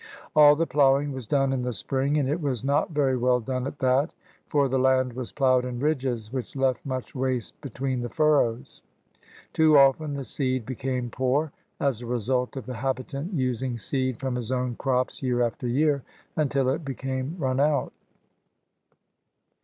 All the ploughing was done in the spring, and it was not very well done at that, for the land was ploughed in ridges which left much waste between the furrows. Too often the seed became poor, as a result of the habitant using seed from his own crops year after year until it became run out.